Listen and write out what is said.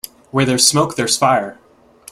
Where there's smoke there's fire.